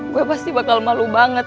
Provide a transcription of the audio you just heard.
gue pasti bakal malu banget